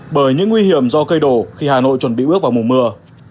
bởi những nguy hiểm do cây đổ khi hà nội chuẩn bị bước vào mùa mưa